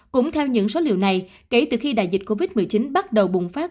cũng theo những số liệu này kể từ khi đại dịch covid một mươi chín bắt đầu bùng phát